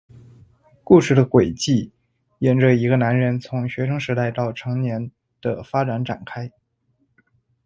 故事的轨迹沿着一个男人从学生时代到成年的发展展开。